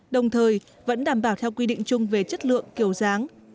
đồng thời vẫn đảm bảo theo quy định chung về chất lượng kiểu dáng